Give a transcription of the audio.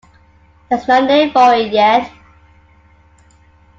There's no name for it yet.